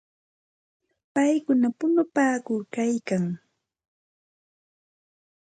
Paykuna punupaakuykalkan.